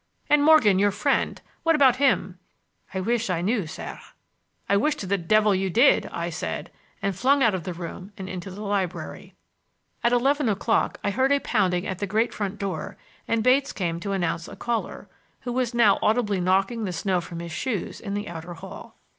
"And Morgan, your friend, what about him?" "I wish I knew, sir." "I wish to the devil you did," I said, and flung out of the room and into the library. At eleven o'clock I heard a pounding at the great front door and Bates came to announce a caller, who was now audibly knocking the snow from his shoes in the outer hall.